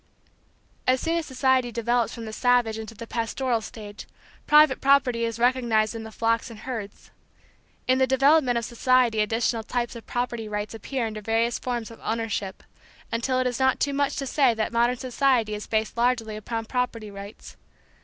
As soon as society develops from the savage into the pastoral stage, private property is recognized in the flocks and herds. In the development of society additional types of property rights appear under various forms of ownership, until it is not too much to say that modern society is based largely upon property rights.